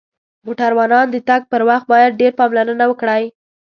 موټروانان د تک پر وخت باید ډیر پاملرنه وکړی